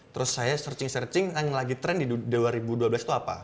terus saya searching searching yang lagi tren di dua ribu dua belas itu apa